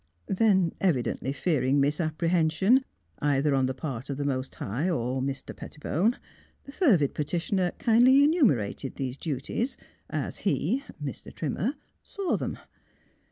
Then evidently fearing misapprehension, either on the part of the Most High or Mr. Pettibone, the fervid petitioner kindly enumerated these duties, as he (Mr. Trimmer) saw them.